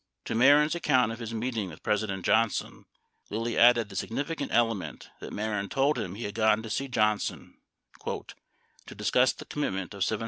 98 To Meh ren 's account of his meeting with President Johnson, Lilly added the. significant element, that Mehren told him he had gone to see John son "to discuss the commitment of $750,000